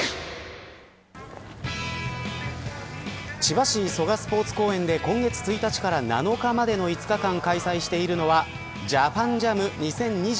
千葉市蘇我スポーツ公園で今月１日から７日までの５日間開催しているのはＪＡＰＡＮＪＡＭ２０２２。